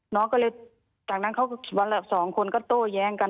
น้องก็เลยวันละ๒คนก็โต้แย้งกัน